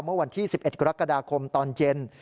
เมื่อวันที่๑๑กรกฎาคมตอนเย็น